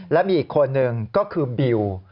และมีอีกคนนึงก็คือบิว